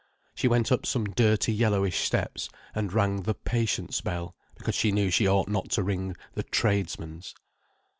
She went up some dirty yellowish steps, and rang the "Patients'" bell, because she knew she ought not to ring the "Tradesmen's."